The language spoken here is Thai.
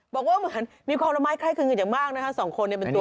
บอกว่าเหมือนมีความละไมาก์คล